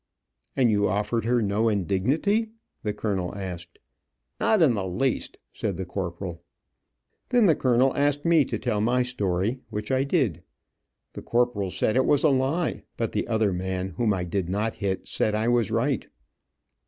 "And you offered her no indignity?" the colonel asked. "Not in the least," said the corporal. Then the colonel asked me to tell my story, which I did. The corporal said it was a lie, but the other man, whom I did not hit, said I was right.